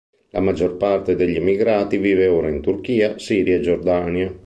La maggior parte degli emigrati vive ora in Turchia, Siria e Giordania.